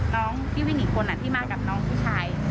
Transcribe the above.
น้องที่วิ่งอีกคนที่มากับน้องผู้ชาย